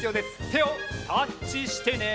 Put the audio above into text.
てをタッチしてね！